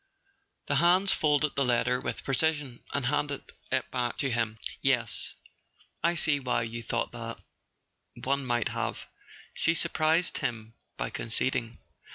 The hands folded the letter with precision, and handed it back to him. "Yes: I see why you thought that—one might have," she surprised him by conceding.